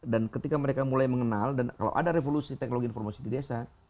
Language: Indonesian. dan ketika mereka mulai mengenal dan kalau ada revolusi teknologi informasi di desa